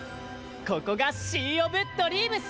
ここがシー・オブ・ドリームス」